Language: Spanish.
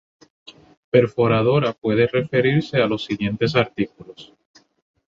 Perforadora puede referirse a los siguientes artículos.